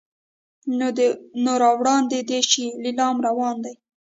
نو را وړاندې دې شي لیلام روان دی.